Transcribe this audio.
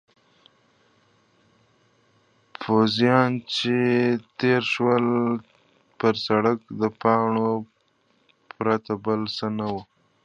پوځیان چې به تېر شول پر سړک د پاڼو پرته بل څه نه وو.